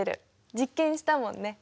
実験したもんね。